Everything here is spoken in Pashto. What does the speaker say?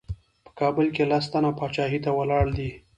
په کابل کې لس تنه پاچاهۍ ته ولاړ دي.